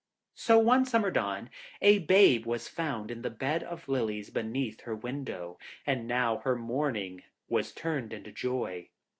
So one summer dawn a babe was found in the bed of lilies beneath her window, and now her mourning was turned into joy.